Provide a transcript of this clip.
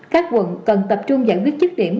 các quận cần tập trung giải quyết chức điểm